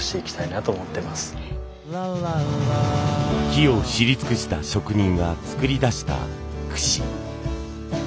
木を知り尽くした職人が作り出した櫛。